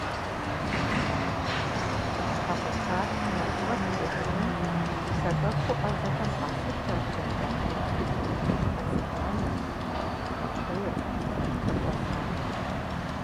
Къупщхьэ къутар нэхъ щӏэх кӏыжыным и сэбэпу ӏэзэхэм къалъытэ бжэндэхъу удзыр, хьэцыбанэр, пхъэхуейр, дыкъуэнагъыр.